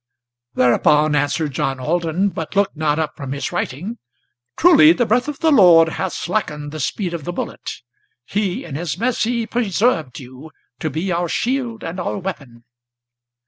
Thereupon answered John Alden, but looked not up from his writing: "Truly the breath of the Lord hath slackened the speed of the bullet; He in his mercy preserved you, to be our shield and our weapon!"